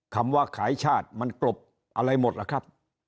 คำว่าขายชาติมันกรบอะไรหมดล่ะครับ